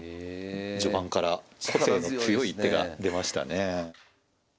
序盤から個性の強い一手が出ましたね。